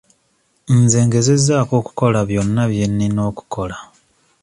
Nze ngezaako okukola byonna bye nnina okukola.